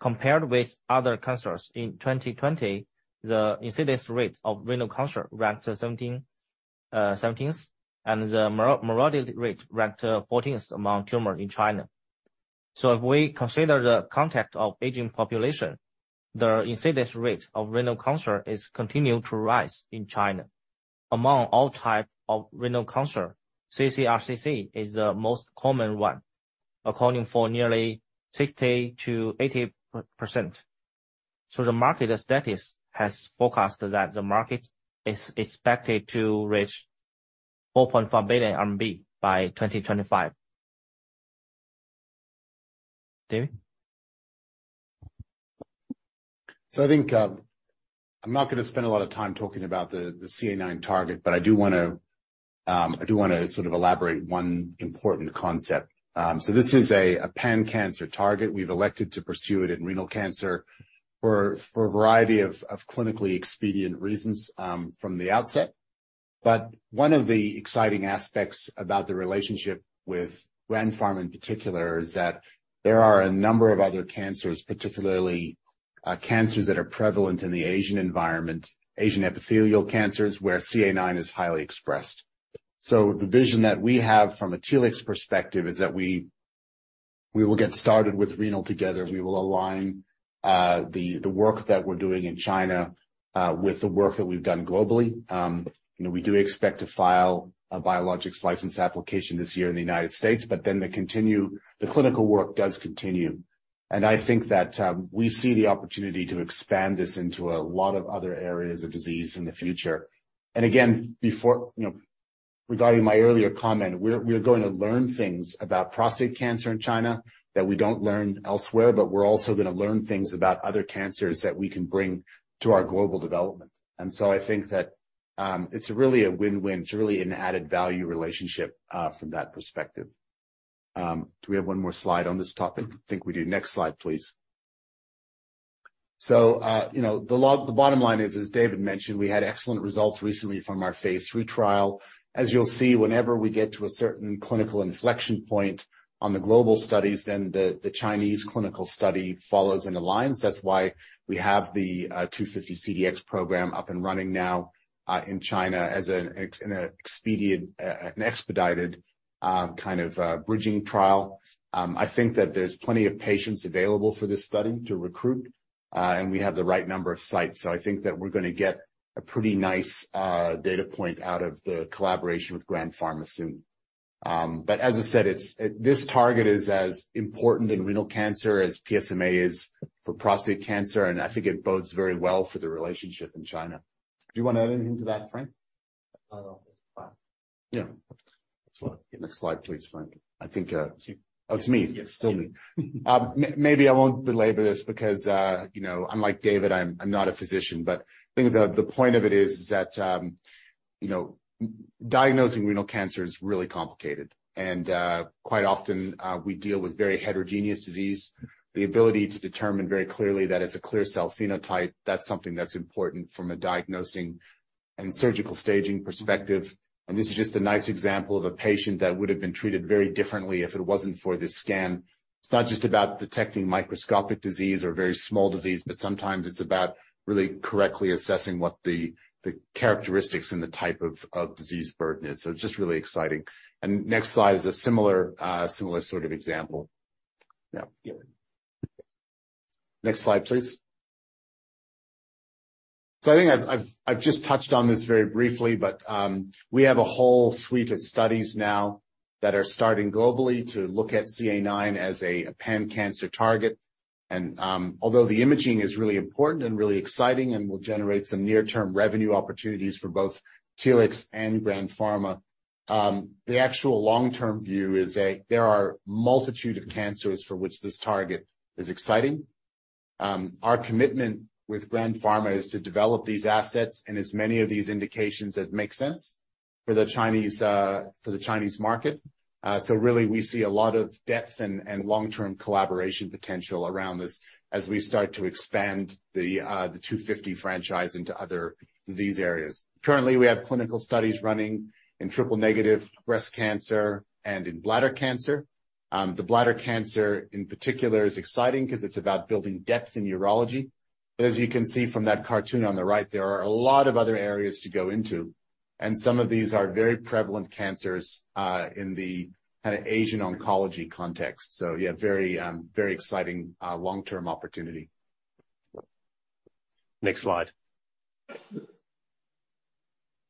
Compared with other cancers in 2020, the incidence rate of renal cancer ranked seventeenth, and the morbidity rate ranked fourteenth among tumor in China. If we consider the context of aging population, the incidence rate of renal cancer is continuing to rise in China. Among all type of renal cancer, ccRCC is the most common one, accounting for nearly 60% to 80%. The market status has forecast that the market is expected to reach 4.5 billion RMB by 2025. David. I think, I'm not gonna spend a lot of time talking about the CA9 target, but I do wanna sort of elaborate one important concept. This is a pan-cancer target. We've elected to pursue it in renal cancer for a variety of clinically expedient reasons from the outset. One of the exciting aspects about the relationship with Grand Pharma in particular is that there are a number of other cancers, particularly cancers that are prevalent in the Asian environment, Asian epithelial cancers, where CA9 is highly expressed. The vision that we have from a Telix perspective is that we will get started with renal together. We will align the work that we're doing in China with the work that we've done globally. You know, we do expect to file a biologics license application this year in the United States, the clinical work does continue. I think that we see the opportunity to expand this into a lot of other areas of disease in the future. Before, you know, regarding my earlier comment, we're going to learn things about prostate cancer in China that we don't learn elsewhere, but we're also gonna learn things about other cancers that we can bring to our global development. I think that it's really a win-win. It's really an added value relationship from that perspective. Do we have one more slide on this topic? I think we do. Next slide, please. you know, the bottom line is, as David mentioned, we had excellent results recently from our Phase III trial. As you'll see, whenever we get to a certain clinical inflection point on the global studies, then the Chinese clinical study follows in alliance. That's why we have the TLX250-CDx program up and running now in China as an expedient, an expedited kind of bridging trial. I think that there's plenty of patients available for this study to recruit, and we have the right number of sites. I think that we're gonna get a pretty nice data point out of the collaboration with Grand Pharma soon. As I said, it's, this target is as important in renal cancer as PSMA is for prostate cancer, and I think it bodes very well for the relationship in China. Do you wanna add anything to that, Frank? No. It's fine. Yeah. Next slide. Next slide, please, Frank. I think. It's you. Oh, it's me. Yes. It's still me. Maybe I won't belabor this because, you know, unlike David, I'm not a physician, but I think the point of it is that, you know, diagnosing renal cancer is really complicated, and quite often, we deal with very heterogeneous disease. The ability to determine very clearly that it's a clear cell phenotype, that's something that's important from a diagnosing and surgical staging perspective. This is just a nice example of a patient that would have been treated very differently if it wasn't for this scan. It's not just about detecting microscopic disease or very small disease, but sometimes it's about really correctly assessing what the characteristics and the type of disease burden is. Just really exciting. Next slide is a similar sort of example. Yeah. Next slide, please. I've just touched on this very briefly, but we have a whole suite of studies now that are starting globally to look at CA9 as a pan-cancer target. Although the imaging is really important and really exciting and will generate some near-term revenue opportunities for both Telix and Grand Pharma, the actual long-term view is that there are a multitude of cancers for which this target is exciting. Our commitment with Grand Pharma is to develop these assets in as many of these indications that make sense for the Chinese, for the Chinese market. Really we see a lot of depth and long-term collaboration potential around this as we start to expand the 250 franchise into other disease areas. Currently, we have clinical studies running in triple-negative breast cancer and in bladder cancer. The bladder cancer in particular is exciting 'cause it's about building depth in urology. As you can see from that cartoon on the right, there are a lot of other areas to go into, and some of these are very prevalent cancers in the kinda Asian oncology context. Yeah, very exciting long-term opportunity. Next slide.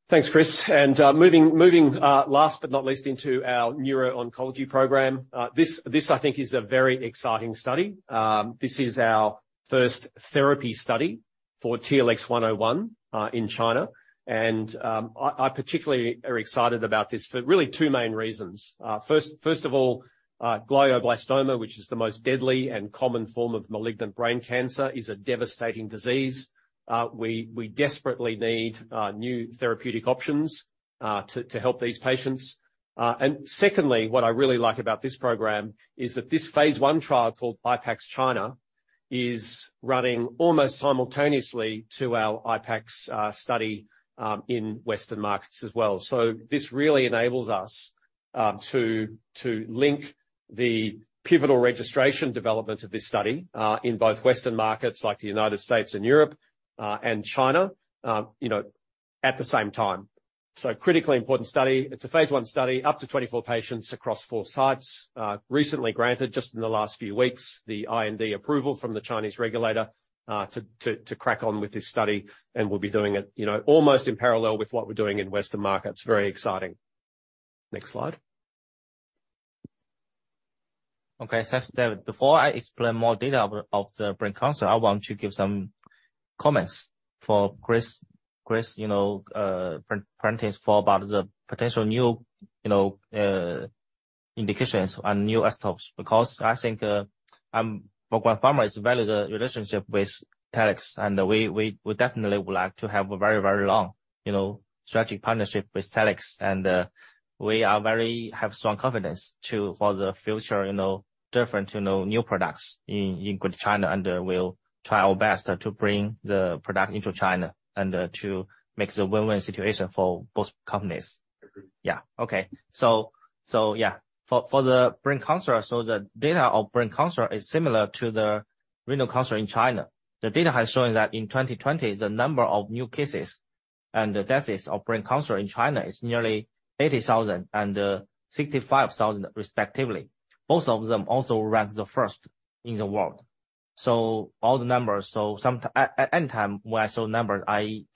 Thanks, Chris. Moving last but not least into our neuro-oncology program. This I think is a very exciting study. This is our first therapy study for TLX101 in China. I particularly are excited about this for really two main reasons. First of all, glioblastoma, which is the most deadly and common form of malignant brain cancer, is a devastating disease. We desperately need new therapeutic options to help these patients. Secondly, what I really like about this program is that this Phase I trial called IPAX China is running almost simultaneously to our IPAX study in Western markets as well. This really enables us to link the pivotal registration development of this study, in both Western markets like the United States and Europe, and China, you know, at the same time. Critically important study. It's a Phase I study, up to 24 patients across four sites. Recently granted, just in the last few weeks, the IND approval from the Chinese regulator, to crack on with this study, and we'll be doing it, you know, almost in parallel with what we're doing in Western markets. Very exciting. Next slide. Okay. Thanks, David. Before I explain more data of the brain cancer, I want to give some comments for Chris. Chris, you know, print this for about the potential new, you know, indications and new desktops because I think for Grand Pharma, it's a very good relationship with Telix. We definitely would like to have a very long, you know, strategic partnership with Telix. We have strong confidence for the future, you know, different, you know, new products in China. We'll try our best to bring the product into China and to make it a win-win situation for both companies. Yeah. Okay. Yeah. For the brain cancer, the data of brain cancer is similar to the renal cancer in China. The data has shown that in 2020, the number of new cases and the deaths of brain cancer in China is nearly 80,000 and 65,000 respectively. Both of them also ranked the first in the world. All the numbers, at any time when I saw the numbers, I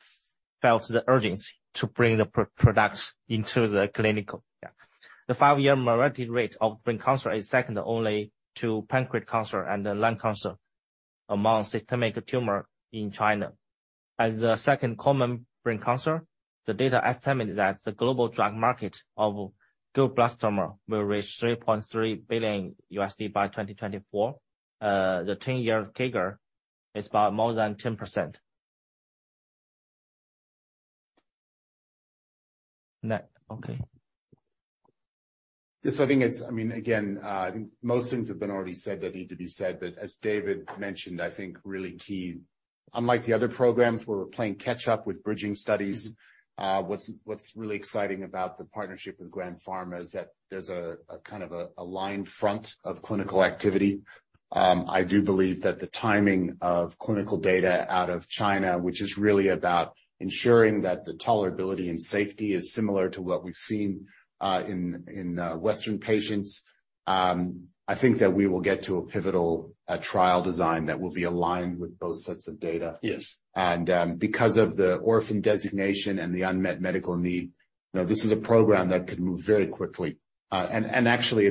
felt the urgency to bring the products into the clinical. Yeah. The five year mortality rate of brain cancer is second only to pancreatic cancer and lung cancer among systemic tumor in China. As the second common brain cancer, the data estimated that the global drug market of glioblastoma will reach $3.3 billion by 2024. The 10-year CAGR is about more than 10%. Okay. Yes, I think it's I mean, again, I think most things have been already said that need to be said. As David mentioned, I think really key, unlike the other programs where we're playing catch up with bridging studies, what's really exciting about the partnership with Grand Pharma is that there's a kind of a aligned front of clinical activity. I do believe that the timing of clinical data out of China, which is really about ensuring that the tolerability and safety is similar to what we've seen in Western patients, I think that we will get to a pivotal trial design that will be aligned with both sets of data. Yes. Because of the orphan designation and the unmet medical need, you know, this is a program that could move very quickly. Actually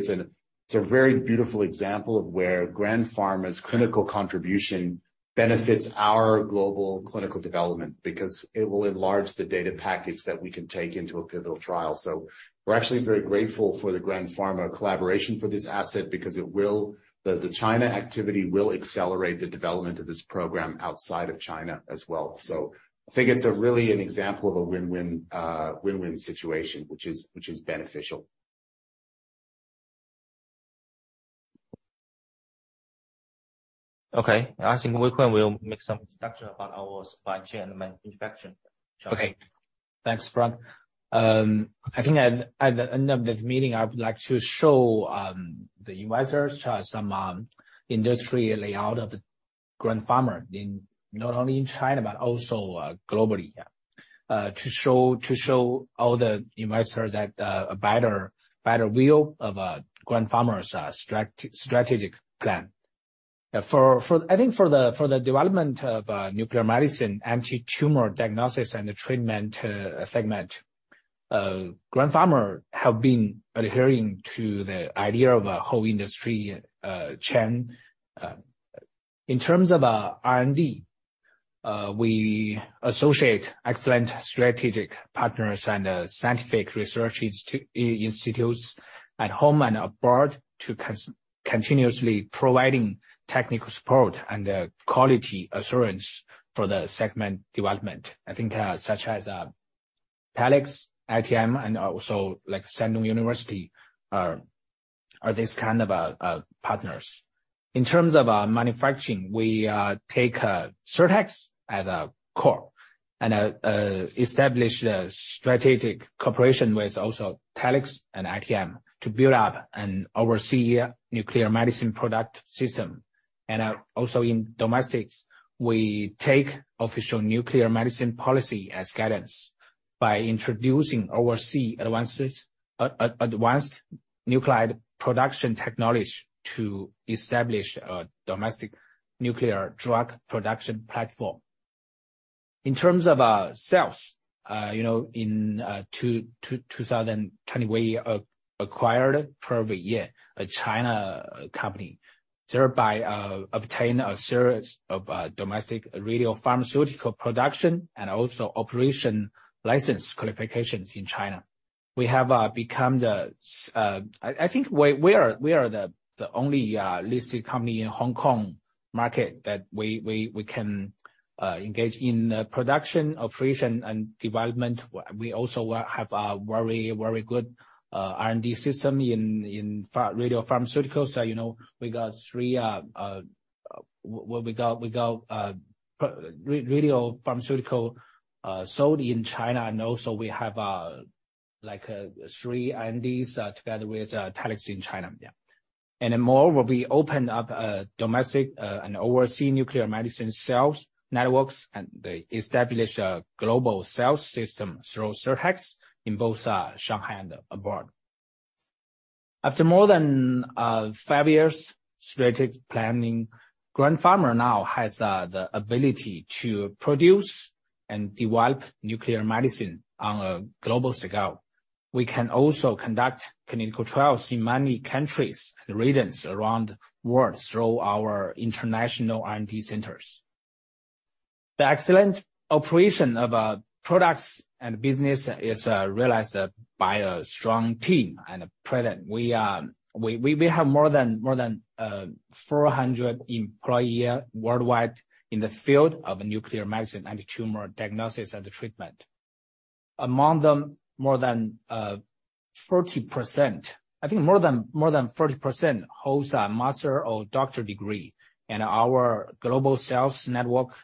it's a very beautiful example of where Grand Pharma's clinical contribution benefits our global clinical development because it will enlarge the data package that we can take into a pivotal trial. We're actually very grateful for the Grand Pharma collaboration for this asset because it will. The China activity will accelerate the development of this program outside of China as well. I think it's really an example of a win-win situation, which is beneficial. Okay. I think we'll make some introduction about our supply chain and manufacturing. Okay. Thanks, Frank. I think at the end of this meeting, I would like to show the investors some industry layout of Grand Pharma in not only in China but also globally, to show all the investors that a better view of Grand Pharma's strategic plan. I think for the development of nuclear medicine, anti-tumor diagnosis and treatment segment. Grand Pharma have been adhering to the idea of a whole industry chain. In terms of R&D, we associate excellent strategic partners and scientific research institutes at home and abroad to continuously providing technical support and quality assurance for the segment development. I think such as Telix, ITM, and also like Shandong University are this kind of partners. In terms of manufacturing, we take Sirtex as a core and establish a strategic cooperation with also Telix and ITM to build up and oversee nuclear medicine product system. Also in domestics, we take official nuclear medicine policy as guidance by introducing oversee advances, advanced nuclide production technology to establish a domestic nuclear drug production platform. In terms of sales, you know, in 2020, we acquired Puer Weiye, a China company, thereby obtained a series of domestic radiopharmaceutical production and also operation license qualifications in China. We have become the. I think we are the only listed company in Hong Kong market that we can engage in production, operation and development. We also have a very, very good R&D system in radiopharmaceuticals. You know, we got three. Well, we got radiopharmaceutical sold in China, and also we have like three R&Ds together with Telix in China. Moreover, we opened up a domestic and overseas nuclear medicine sales networks, and they establish a global sales system through Sirtex in both Shanghai and abroad. After more than five years strategic planning, Grand Pharma now has the ability to produce and develop nuclear medicine on a global scale. We can also conduct clinical trials in many countries and regions around the world through our international R&D centers. The excellent operation of our products and business is realized by a strong team and a product. We have more than 400 employee worldwide in the field of nuclear medicine, antitumor diagnosis and treatment. Among them, more than 40%... I think more than 40% holds a master or doctor degree. Our global sales network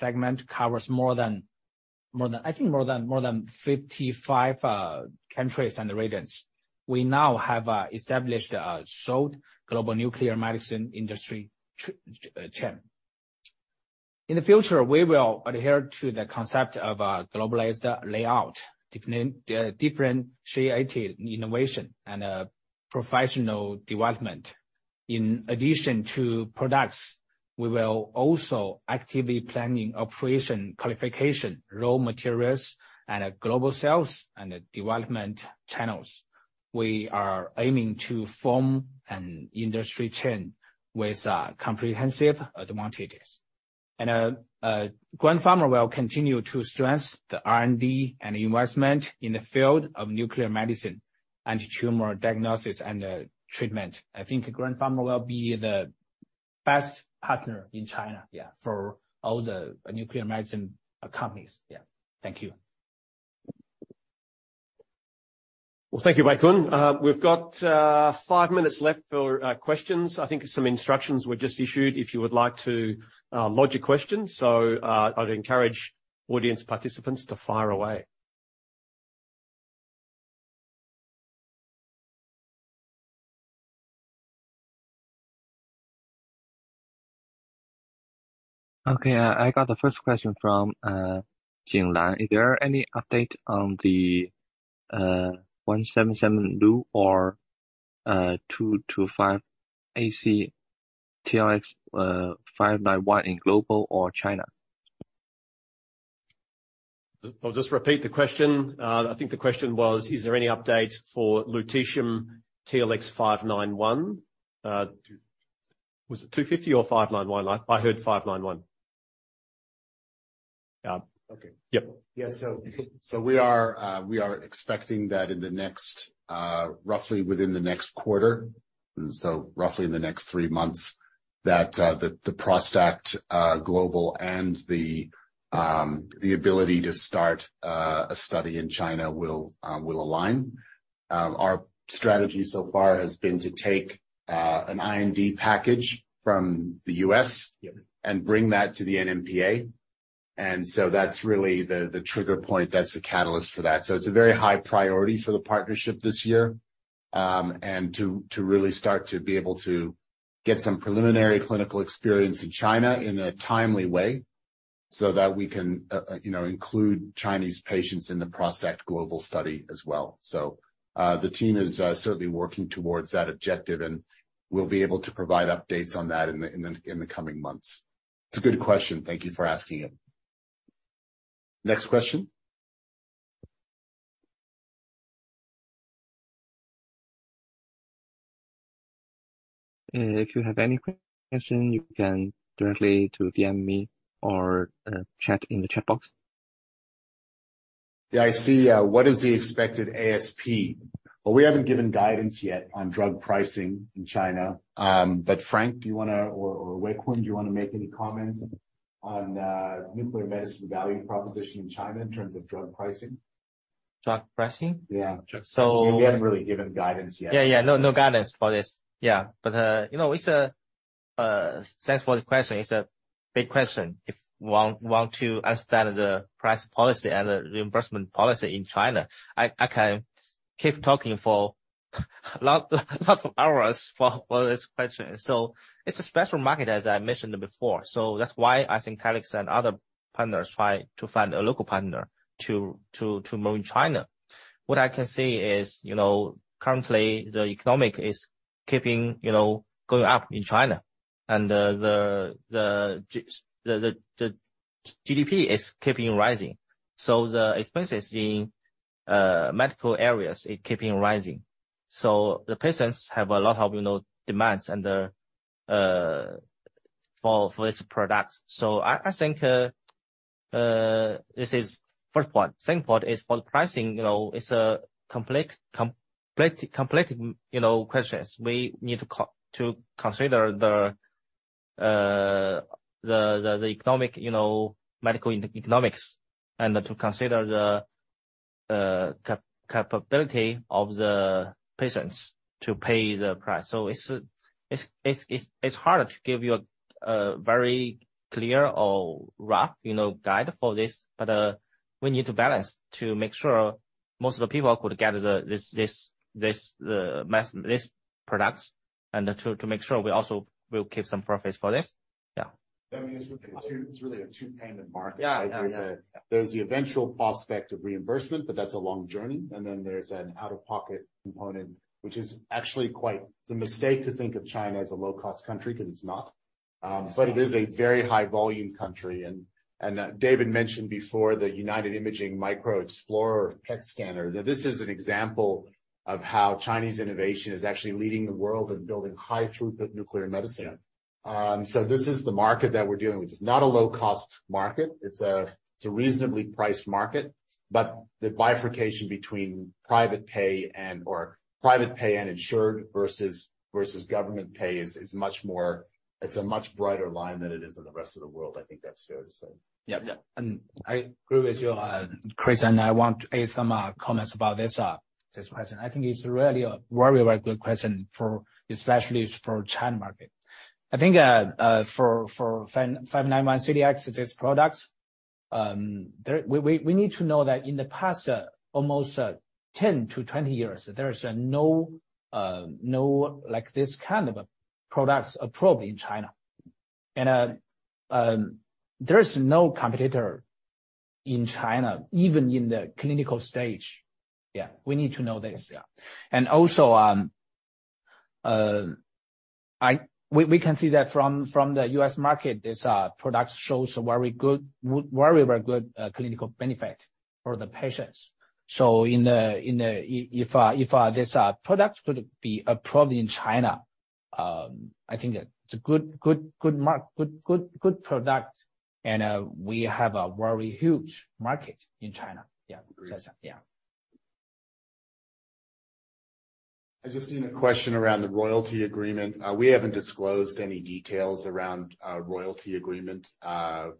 segment covers more than 55 countries and regions. We now have established a solid global nuclear medicine industry chain. In the future, we will adhere to the concept of a globalized layout, differentiated innovation and professional development. In addition to products, we will also actively planning operation qualification, raw materials and a global sales and development channels. We are aiming to form an industry chain with comprehensive advantages. Grand Pharma will continue to stress the R&D and investment in the field of nuclear medicine, antitumor diagnosis and treatment. I think Grand Pharma will be the best partner in China, yeah, for all the nuclear medicine companies. Yeah. Thank you. Well, thank you, Weikun. We've got five minutes left for questions. I think some instructions were just issued if you would like to lodge a question. I would encourage audience participants to fire away. Okay. I got the first question from Jin Lan. Is there any update on the 177Lu or 225Ac TLX591 in global or China? I'll just repeat the question. I think the question was, is there any update for Lutetium TLX 591? Was it 250 or 591? I heard 591. Okay. Yep. We are expecting that in the next, roughly within the next quarter, and so roughly in the next 3 months, that the ProstACT GLOBAL and the ability to start a study in China will align. Our strategy so far has been to take an IND package from the U.S. Yeah. bring that to the NMPA. That's really the trigger point, that's the catalyst for that. It's a very high priority for the partnership this year, and to really start to be able to get some preliminary clinical experience in China in a timely way so that we can, you know, include Chinese patients in the ProstACT global study as well. The team is certainly working towards that objective, and we'll be able to provide updates on that in the coming months. It's a good question. Thank you for asking it. Next question. If you have any question, you can directly to DM me or chat in the chat box. Yeah, I see. What is the expected ASP? Well, we haven't given guidance yet on drug pricing in China. Frank, do you wanna or Weikun, do you wanna make any comment on nuclear medicine value proposition in China in terms of drug pricing? Drug pricing? Yeah. So- We haven't really given guidance yet. Yeah, no guidance for this. Yeah. You know, it's a thanks for the question. It's a big question. If want to understand the price policy and the reimbursement policy in China, I can keep talking for lots of hours for this question. It's a special market, as I mentioned before. That's why I think Telix and other partners try to find a local partner to move in China. What I can say is, you know, currently, the economic is keeping, you know, going up in China. The GDP is keeping rising. The expenses in medical areas is keeping rising. The patients have a lot of, you know, demands and for this product. I think this is first point. Second point is for the pricing, you know, it's a complex, you know, questions. We need to consider the economic, you know, medical economics and to consider the capability of the patients to pay the price. It's hard to give you a very clear or rough, you know, guide for this. We need to balance to make sure most of the people could get this, these products, and to make sure we also will keep some profits for this. Yeah. I mean, it's really a two-payment market. Yeah. Yeah, yeah. There's the eventual prospect of reimbursement, but that's a long journey. There's an out-of-pocket component, which is actually quite... It's a mistake to think of China as a low-cost country 'cause it's not. It is a very high volume country. David mentioned before the United Imaging Micro Explorer PET scanner. Now, this is an example of how Chinese innovation is actually leading the world in building high-throughput nuclear medicine. This is the market that we're dealing with. It's not a low-cost market. It's a reasonably priced market, but the bifurcation between private pay and/or private pay and insured versus government pay is. It's a much brighter line than it is in the rest of the world. I think that's fair to say. Yeah. I agree with you, Chris, and I want to add some comments about this question. I think it's really a very, very good question for, especially for China market. For 591-CDx, this product, we need to know that in the past, almost 10 to 20 years, there is no like this kind of products approved in China. There's no competitor in China, even in the clinical stage. We need to know this. We can see that from the U.S. market, this product shows a very, very good clinical benefit for the patients. If this product could be approved in China, I think it's a good product, and we have a very huge market in China. Yeah. Agreed. Yeah. I've just seen a question around the royalty agreement. We haven't disclosed any details around a royalty agreement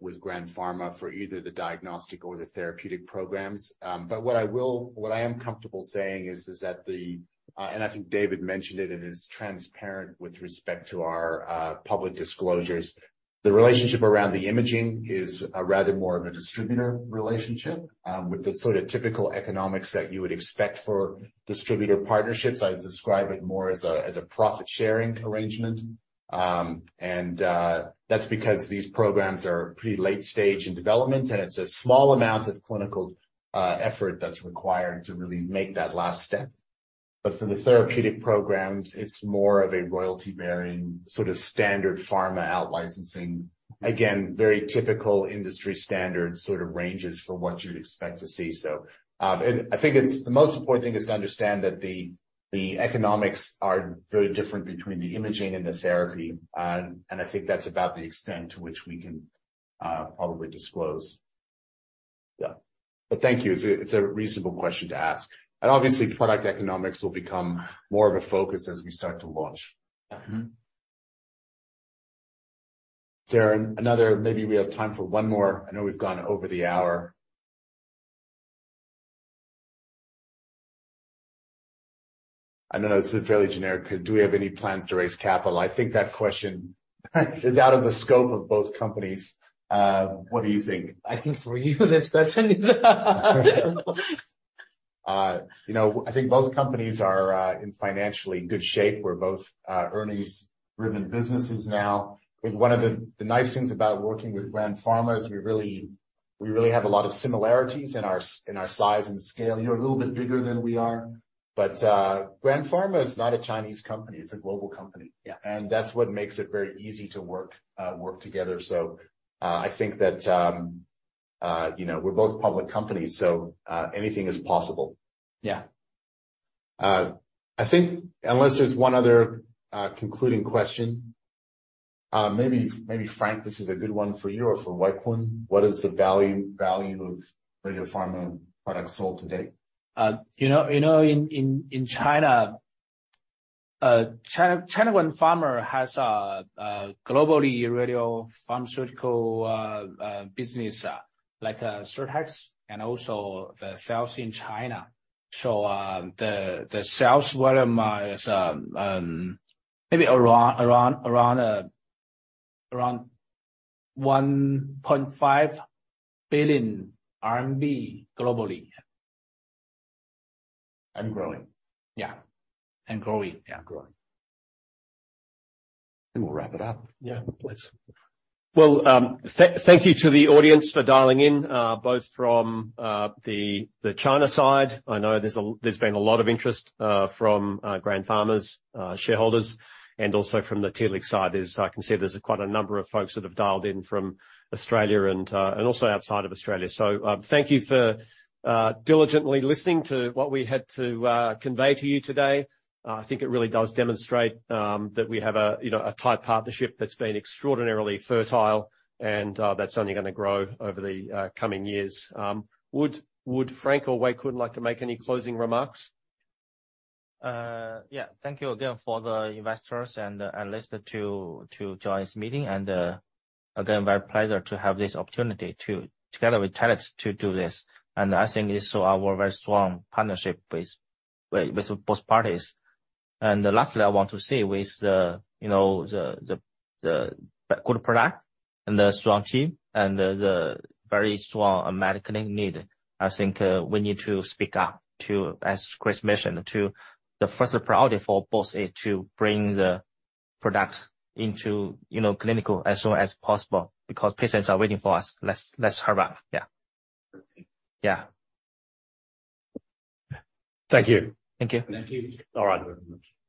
with Grand Pharma for either the diagnostic or the therapeutic programs. What I am comfortable saying is that the, and I think David mentioned it, and it is transparent with respect to our public disclosures. The relationship around the imaging is rather more of a distributor relationship, with the sort of typical economics that you would expect for distributor partnerships. I'd describe it more as a profit-sharing arrangement. That's because these programs are pretty late stage in development, and it's a small amount of clinical effort that's required to really make that last step. For the therapeutic programs, it's more of a royalty-bearing, sort of standard pharma out-licensing. Very typical industry standard sort of ranges for what you'd expect to see. I think the most important thing is to understand that the economics are very different between the imaging and the therapy. I think that's about the extent to which we can probably disclose. Yeah. Thank you. It's a reasonable question to ask. Obviously, product economics will become more of a focus as we start to launch. Mm-hmm. Maybe we have time for one more. I know we've gone over the hour. I know this is fairly generic. Do we have any plans to raise capital? I think that question is out of the scope of both companies. What do you think? I think for you, this question is You know, I think both companies are in financially good shape. We're both earnings-driven businesses now. I think one of the nice things about working with Grand Pharma is we really have a lot of similarities in our size and scale. You're a little bit bigger than we are. Grand Pharma is not a Chinese company, it's a global company. Yeah. That's what makes it very easy to work together. I think that, you know, we're both public companies, so anything is possible. Yeah. I think unless there's one other concluding question, maybe Frank, this is a good one for you or for Weikun. What is the value of RadioPharma products sold today? You know in China Grand Pharma has a globally radiopharmaceutical business, like Sirtex and also the sales in China. The sales volume is maybe around 1.5 billion RMB globally. Growing. Yeah. Growing. Yeah. Growing. We'll wrap it up. Yeah. Please. Well, thank you to the audience for dialing in, both from the China side. I know there's been a lot of interest from Grand Pharma's shareholders and also from the Telix side. I can see there's quite a number of folks that have dialed in from Australia and also outside of Australia. Thank you for diligently listening to what we had to convey to you today. I think it really does demonstrate that we have, you know, a tight partnership that's been extraordinarily fertile and that's only gonna grow over the coming years. Would Frank or Weikun like to make any closing remarks? Yeah. Thank you again for the investors and analysts to join this meeting. Again, very pleasure to have this opportunity together with Telix to do this. I think it's show our very strong partnership with both parties. Lastly, I want to say with the, you know, the good product and the strong team and the very strong medical need, I think we need to speak up, as Chris mentioned, the first priority for both is to bring the product into, you know, clinical as soon as possible because patients are waiting for us. Let's hurry up. Yeah. Okay. Yeah. Thank you. Thank you. Thank you. All right. Thank you very much.